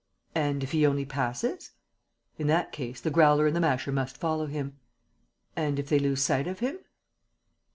"And, if he only passes?" "In that case, the Growler and the Masher must follow him." "And if they lose sight of him?"